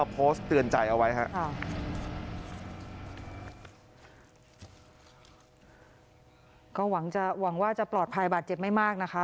ก็หวังว่าจะปลอดภัยบาดเจ็บไม่มากนะครับ